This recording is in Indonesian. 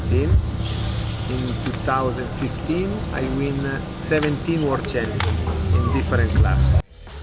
pada tahun dua ribu lima belas saya menang tujuh belas perang di peringkat lain